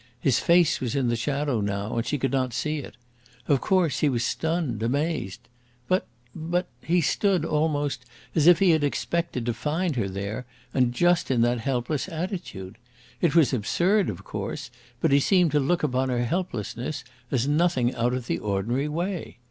His face was in the shadow now and she could not see it. Of course, he was stunned, amazed. But but he stood almost as if he had expected to find her there and just in that helpless attitude. It was absurd, of course, but he seemed to look upon her helplessness as nothing out of the ordinary way.